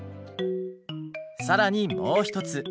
更にもう一つ。